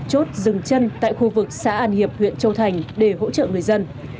chốt dừng chân tại khu vực xã an hiệp huyện châu thành để hỗ trợ người dân